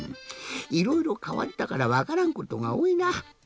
いろいろかわったからわからんことがおおいな。